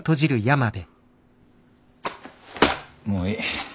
もういい。